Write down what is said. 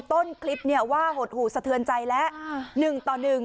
ต้นคลิปว่าหดหูสะเทือนใจแล้ว๑ต่อ๑